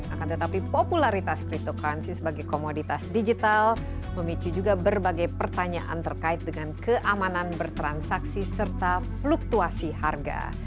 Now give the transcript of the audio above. akan tetapi popularitas cryptocurrency sebagai komoditas digital memicu juga berbagai pertanyaan terkait dengan keamanan bertransaksi serta fluktuasi harga